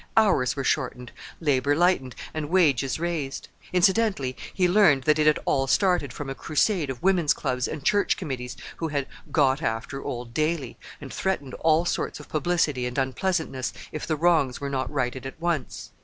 Hours were shortened, labor lightened, and wages raised. Incidentally he learned that it had all started from a crusade of women's clubs and church committees who had "got after old Daly" and threatened all sorts of publicity and unpleasantness if the wrongs were not righted at once.